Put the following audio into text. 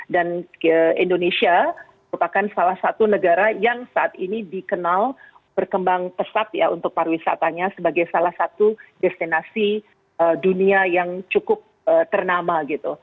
dan indonesia merupakan salah satu negara yang saat ini dikenal berkembang pesat ya untuk pariwisatanya sebagai salah satu destinasi dunia yang cukup ternama gitu